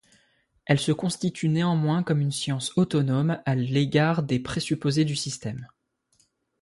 Elle se constitue néanmoins comme une science autonome à l'égard des présupposés du système.